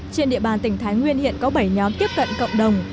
trên địa bàn tỉnh thái nguyên hiện có bảy nhóm tiếp cận cộng đồng